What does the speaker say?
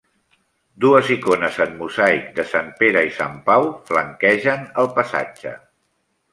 Dues icones en mosaic de sant Pere i sant Pau flanquegen el passatge.